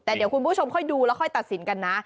แต่เดี๋ยวคุณผู้ชมค่อยดูแล้วค่อยตัดสินกันนะ